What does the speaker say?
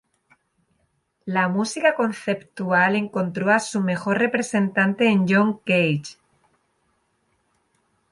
La música conceptual encontró a su mejor representante en John Cage.